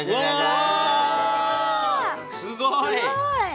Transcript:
おすごい！